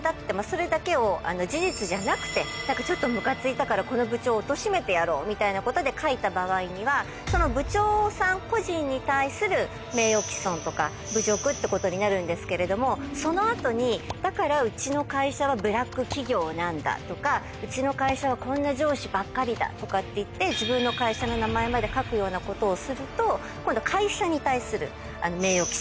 それだけを事実じゃなくてちょっとムカついたからこの部長をおとしめてやろうみたいなことで書いた場合にはその部長さん個人に対する。ってことになるんですけれどもその後に「だからうちの会社はブラック企業なんだ」とか「うちの会社はこんな上司ばっかりだ」とかっていって自分の会社の名前まで書くようなことをすると今度会社に対する。